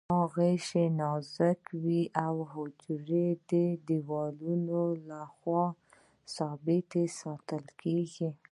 دا غشا نازکه وي او د حجروي دیوال له خوا ثابته ساتل کیږي.